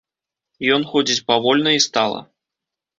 Ён ходзіць павольна і стала.